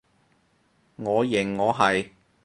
我認我係